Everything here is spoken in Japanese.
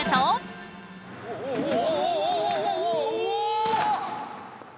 お！